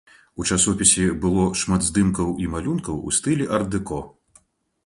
У часопісе было шмат здымкаў і малюнкаў у стылі арт-дэко.